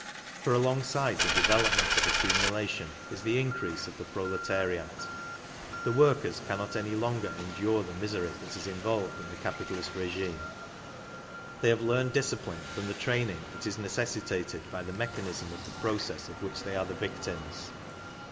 For alongside the development of accumulation is the increase of the pro letariat. The workers cannot any longer endure the misery that is involved in the capitalist regime. They have learned discipline from the training that is. neces sitated by the mechanism of the process of which they are the victims.